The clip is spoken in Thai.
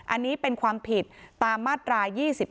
อันนี้เป็นความผิดตามมาตรา๒๗